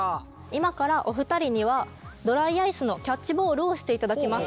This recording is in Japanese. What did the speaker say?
今からお二人にはドライアイスのキャッチボールをしていただきます。